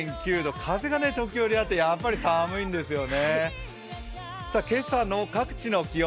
風が時折あってやっぱり寒いんですよね。